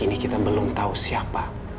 ini ibu tak bisa melakukan alamat ulasi begini